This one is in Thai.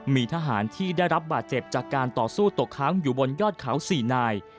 มีทหารที่ได้รับบาดเจ็บจากการต่อสู้ตกค้างอยู่บนยอดเขา๔นาย